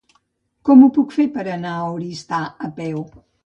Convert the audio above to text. Com ho puc fer per anar a Oristà a peu?